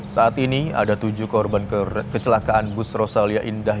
saat ini ada tujuh korban kecelakaan bus rosalia indah